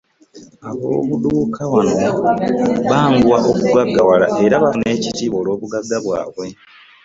Ab'obuduuka wano banguwa okugaggawala era bafuna ekitiibwa olw'obugagga bwabwe.